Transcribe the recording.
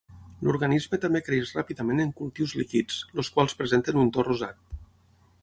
L'organisme també creix ràpidament en cultius líquids, els quals presenten un to rosat.